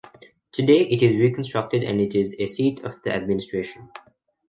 Today, it is reconstructed and it is a seat of the administration.